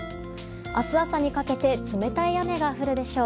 明日朝にかけて冷たい雨が降るでしょう。